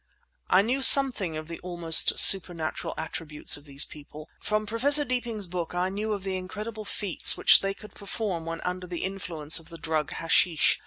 I knew something of the almost supernatural attributes of these people. From Professor Deeping's book I knew of the incredible feats which they could perform when under the influence of the drug hashish.